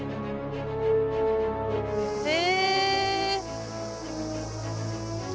え。